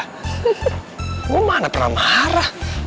eh kitu yang segmangara